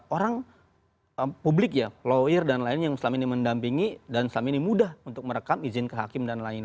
orang publik ya lawyer dan lain yang selama ini mendampingi dan selama ini mudah untuk merekam izin ke hakim dan lain lain